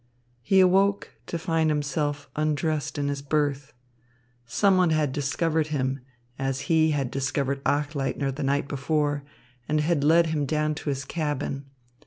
He awoke to find himself lying undressed in his berth. Someone had discovered him, as he had discovered Achleitner the night before, and had led him down to his cabin.